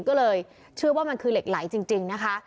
ก็เลยเชื่อว่ามันคือเหล็กไหลจริงนะคะ